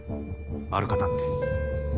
ある方って。